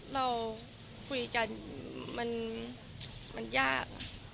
เราคุยกันมันยาก